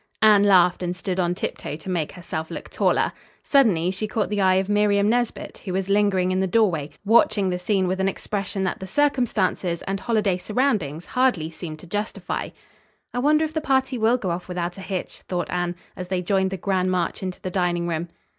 Anne laughed and stood on tiptoe to make herself look taller. Suddenly she caught the eye of Miriam Nesbit, who was lingering in the doorway, watching the scene with an expression that the circumstances and holiday surroundings hardly seemed to justify. "I wonder if the party will go off without a hitch," thought Anne, as they joined the grand march into the dining room.